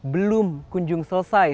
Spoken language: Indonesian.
belum kunjung selesai